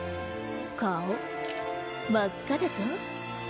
顔真っ赤だぞ？